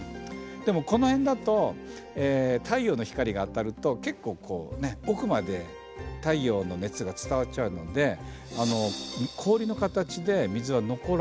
でもこの辺だと太陽の光が当たると結構こう奥まで太陽の熱が伝わっちゃうので氷の形で水は残らない。